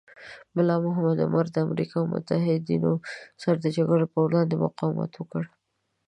ملا محمد عمر د امریکا او متحدینو سره د جګړې پر وړاندې مقاومت وکړ.